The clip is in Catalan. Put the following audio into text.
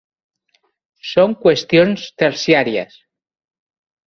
Són qüestions terciàries.